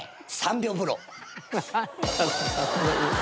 ３秒風呂。